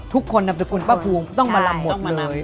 ทุกคนนำสกุลป้าผูต้องมาลำหมดเลย